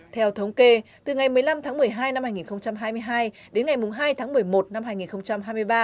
theo thống kê từ ngày một mươi năm tháng một mươi hai năm hai nghìn hai mươi hai đến ngày hai tháng một mươi một năm hai nghìn hai mươi ba